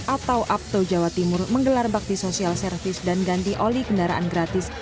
atau apto jawa timur menggelar bakti sosial servis dan ganti oli kendaraan gratis